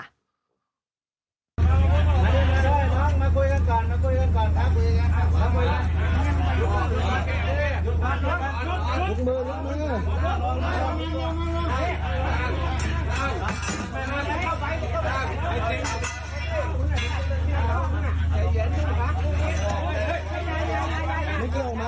เฮ้ยไม่เกลียวออกมาก่อนนะครับไม่เกลียวออกมาก่อนนะครับ